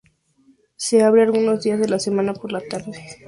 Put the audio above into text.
Se abre algunos días de la semana por la tarde.